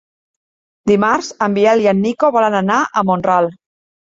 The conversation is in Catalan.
Dimarts en Biel i en Nico volen anar a Mont-ral.